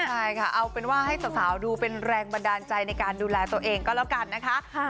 ใช่ค่ะเอาเป็นว่าให้สาวดูเป็นแรงบันดาลใจในการดูแลตัวเองก็แล้วกันนะคะ